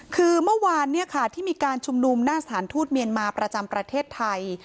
คือเมื่อวานที่มีการชุมนุมหน้าสถานทูตเมียนมาประจำประเทศไทย